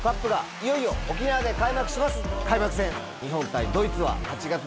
いよいよ沖縄で開幕します。